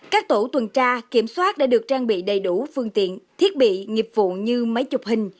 các tổ tuần tra kiểm soát đã được trang bị đầy đủ phương tiện thiết bị nghiệp vụ như máy chụp hình